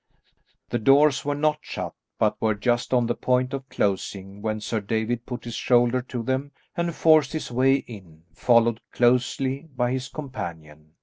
The doors were not shut but were just on the point of closing when Sir David put his shoulder to them and forced his way in, followed closely by his companion.